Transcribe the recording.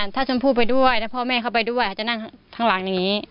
ถ้าชมพู่ไปด้วยถ้าพ่อแม่เขาไปด้วยเขาจะนั่งข้างหลังอย่างนี้